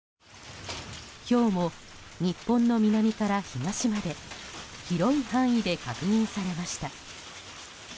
今日も日本の南から東まで広い範囲で確認されました。